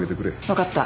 分かった。